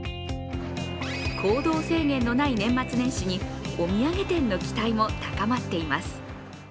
行動制限のない年末年始にお土産店の期待も高まっています。